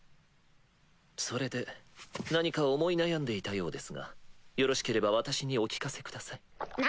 それで何か思い悩んでいたようですがよろしければ私にお聞かせください。何！